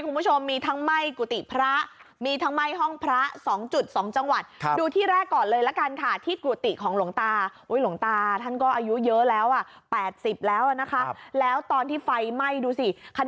คุณผู้ชมมีทั้งม่ายก